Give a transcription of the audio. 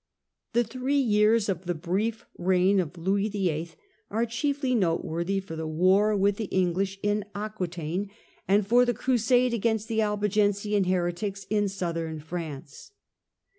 The three years of the brief reign of Louis VIII. are chiefly noteworthy for the war with the English in Aquitaine, and for the crusade against the Albigensian heretics in southern France.